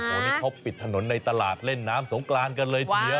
วันนี้เขาปิดถนนในตลาดเล่นน้ำสงกรานกันเลยทีเดียว